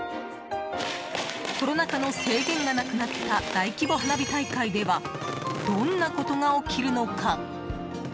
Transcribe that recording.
コロナ禍の制限がなくなった大規模花火大会ではどんなことが起きるのか。